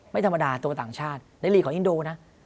ไม่ธรรมดาตัวต่างชาติในลีกของอินโดนะ